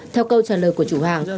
theo câu trả lời của chủ hàng